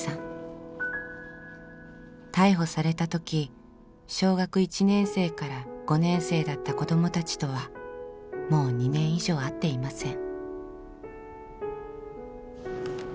逮捕されたとき小学１年生から５年生だった子どもたちとはもう２年以上会っていません。